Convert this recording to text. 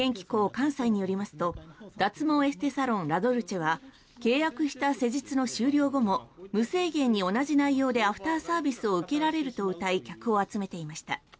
関西によりますと脱毛エステサロン、ラドルチェは契約した施術の終了後も無制限に同じ内容でアフターサービスを受けられるとうたい客を集めていました。